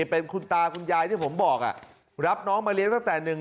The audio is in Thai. เป็นคุณตาคุณยายที่ผมบอกรับน้องมาเลี้ยงตั้งแต่หนึ่ง